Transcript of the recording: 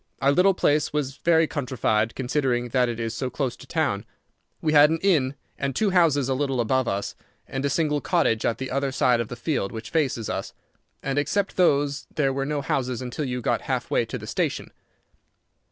Our little place was very countrified, considering that it is so close to town. We had an inn and two houses a little above us, and a single cottage at the other side of the field which faces us, and except those there were no houses until you got half way to the station.